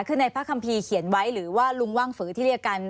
คือในพระคัมภีร์เขียนไว้หรือว่าลุงว่างฝือที่เรียกกัน